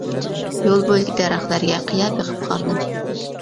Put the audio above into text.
يول بويىدىكى دەرەخلەرگە قىيا بېقىپ قارىدىم.